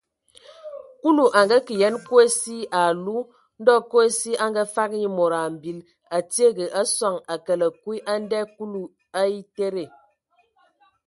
Kulu a ngakǝ yen kosi ai alu, ndɔ kosi a ngafag nye mod mbil a tiege a sɔŋ a kələg kwi a ndɛ Kulu a etede.